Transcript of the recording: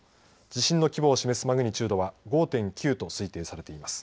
地震の規模を示すマグニチュードは５．９と推定されています。